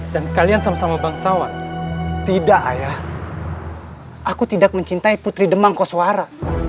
dan kalian sama sama bangsawan tidak ayah aku tidak mencintai putri demang koswara